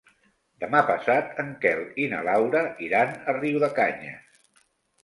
Demà passat en Quel i na Laura iran a Riudecanyes.